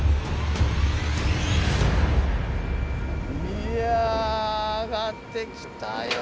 いや上がってきたよ。